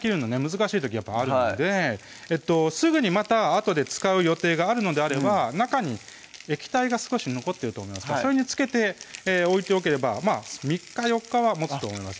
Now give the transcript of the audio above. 難しい時やっぱあるんですぐにまたあとで使う予定があるのであれば中に液体が少し残ってると思いますからそれにつけて置いておけば３日・４日はもつと思います